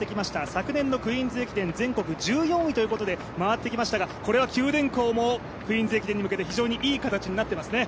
昨年のクイーンズ駅伝、全国１４位ということで回ってきましたが、これは九電工もクイーンズ駅伝に向けて非常にいい形になっていますね。